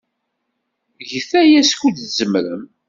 Get aya skud tzemrem.